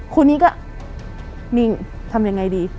ครูนี้ก็นิ่งทำยังไงดี